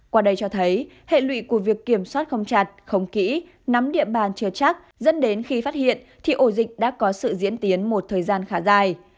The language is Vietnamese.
qua đây cho thấy hệ lụy của việc kiểm soát không chặt không kỹ nắm địa bàn chưa chắc dẫn đến khi phát hiện thì ổ dịch đã có sự diễn tiến một thời gian khá dài